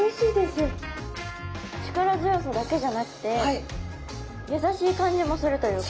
力強さだけじゃなくて優しい感じもするというか。